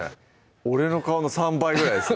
俺の顔の３倍ぐらいですね